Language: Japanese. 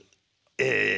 ええ。